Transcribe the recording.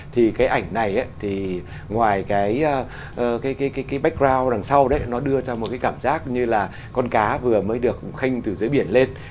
thì cái ảnh này thì ngoài cái background đằng sau nó đưa ra một cái cảm giác như là con cá vừa mới được khinh từ dưới biển lên